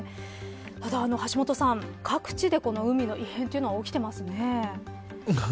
ただ橋下さん、各地で海の異変ということが起きてますね。